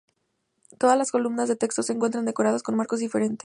Todas las columnas de texto se encuentran decoradas con marcos diferentes.